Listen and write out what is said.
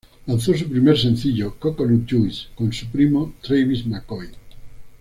Lanzó su primer sencillo "Coconut Juice" con su primo Travis McCoy.